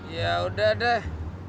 ya udah deh